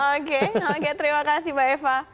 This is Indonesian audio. oke oke terima kasih mbak eva